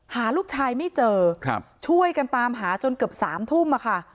หาลูกชายไม่เจอช่วยกันตามหาจนเกือบ๓ทุ่มค่ะ